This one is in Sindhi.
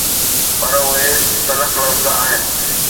پر اهي تلخ لفظ آهن.